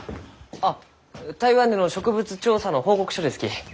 あっ台湾での植物調査の報告書ですき。